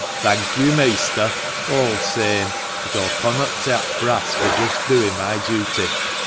" Thenk yo', measter, all th' same, but aw connot tak' brass fur just doin' my duty.